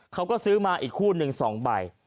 เขาก็ซื้อมาอีกคู่หนึ่ง๒ใบ